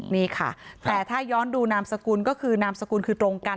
นี่ค่ะแต่ถ้าย้อนดูนามสกุลก็คือนามสกุลคือตรงกัน